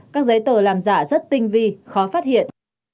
các giấy tờ làm giả rất tinh vi khó phát hiện